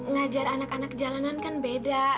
ngajar anak anak jalanan kan beda